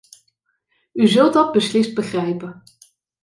U zult dat beslist begrijpen.